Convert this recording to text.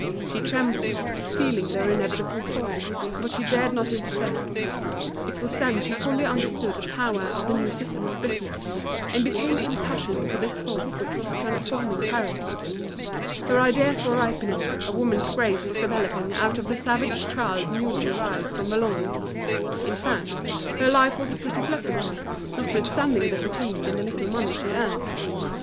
She trembled, feeling their inevitable fall; but she dared not interfere. It was then she fully understood the power of the new system of business, and became impassioned for this force which was transforming Paris. Her ideas were ripening, a woman's grace was developing out of the savage child newly arrived from Valognes. In fact, her life was a pretty pleasant one, notwithstanding the fatigue and the little money she earned.